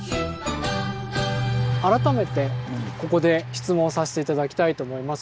改めてここで質問させて頂きたいと思います。